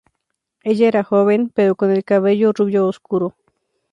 Ella era joven, pero con el cabello rubio oscuro.